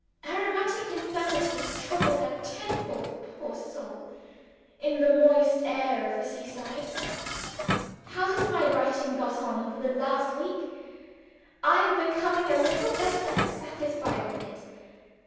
Her rheumatic infirmities trouble her tenfold, poor old soul, in the moist air of the seaside. How has my writing got on for the last week? I am becoming a little better satisfied with it.